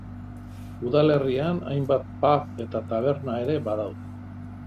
Udalerrian hainbat pub eta taberna ere badaude.